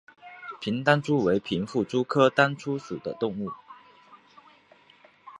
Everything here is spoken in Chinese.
平单蛛为平腹蛛科单蛛属的动物。